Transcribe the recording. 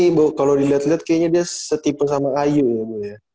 ibu kalau dilihat lihat kayaknya dia setipe sama ayu ya bu ya